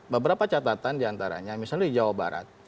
beberapa catatan diantaranya misalnya di jawa barat